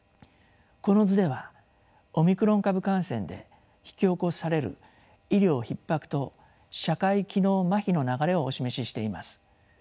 この図ではオミクロン株感染で引き起こされる医療ひっ迫と社会機能まひの流れをお示ししています。